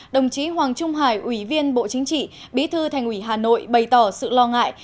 đồng chí hoàng trung hải ủy viên bộ chính trị bí thư thành ủy hà nội bày tỏ sự lo ngại